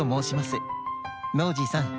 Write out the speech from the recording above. ノージーさん